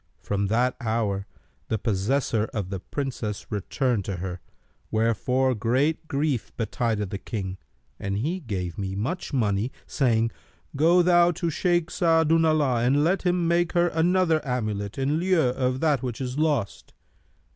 From that hour the possessor[FN#293] of the Princess returned to her, wherefore great grief betided the King and he gave me much money, saying, 'Go thou to Shaykh Sa'adu'llah and let him make her another amulet, in lieu of that which is lost.'